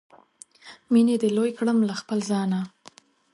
مینې دې لوی کړم له خپله ځانه